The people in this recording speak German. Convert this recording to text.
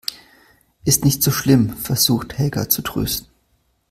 Ist nicht so schlimm, versucht Helga zu trösten.